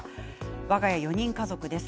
わが家、４人家族です。